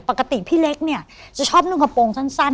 ปกติพี่เล็กเนี่ยจะชอบนุ่งกระโปรงสั้น